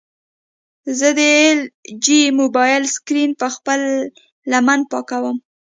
زه د ایل جي موبایل سکرین په خپله لمن پاکوم.